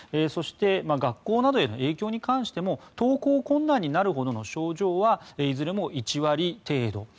そして学校などへの影響に関しても登校困難になるほどの症状はいずれも１割程度。